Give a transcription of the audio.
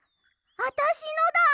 あたしのだ！